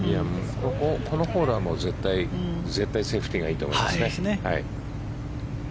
このホールはもう絶対セーフティーがいいと思います。